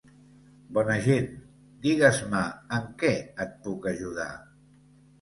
Bona gent, digues-me en què et puc ajudar.